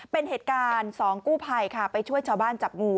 เป็นเหตุการณ์๒กู้ภัยค่ะไปช่วยชาวบ้านจับงู